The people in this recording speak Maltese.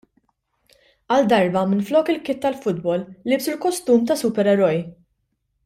Għal darba minflok il-kit tal-futbol, libsu l-kostum ta' supereroj.